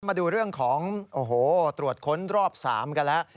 มาดูเรื่องของโอ้โหตรวจค้นรอบ๓กันแล้ว